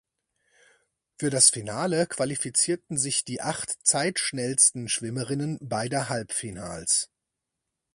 Für das Finale qualifizierten sich die acht zeitschnellsten Schwimmerinnen beider Halbfinals.